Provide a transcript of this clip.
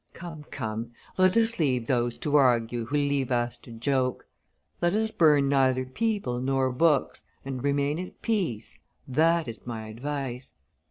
Come, come, let us leave those to argue who leave us to joke; let us burn neither people nor books and remain at peace, that is my advice.